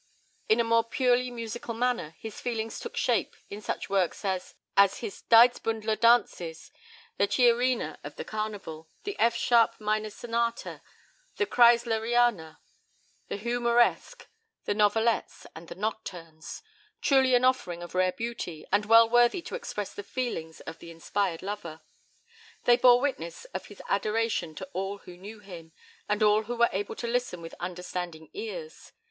In a more purely musical manner, his feelings took shape in such works as his "Daidsbündler" Dances, the "Chiarina" of the Carnival, the F Sharp Minor Sonata, the Kreisleriana, the Humoreske, the Novelettes, and the Nocturnes, truly an offering of rare beauty, and well worthy to express the feelings of the inspired lover. They bore witness of his adoration to all who knew him, and all who were able to listen with understanding ears.